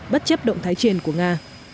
bất chấp động thái trên của nga